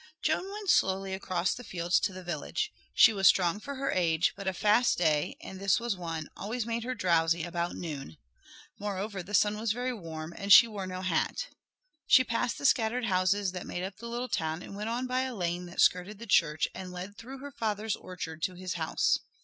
Joan went slowly across the fields to the village. She was strong for her age, but a fast day, and this was one, always made her drowsy about noon. Moreover the sun was very warm and she wore no hat. She passed the scattered houses that made up the little town and went on by a lane that skirted the church and led through her father's orchard to his house.